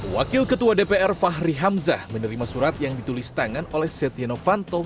wakil ketua dpr fahri hamzah menerima surat yang ditulis tangan oleh setia novanto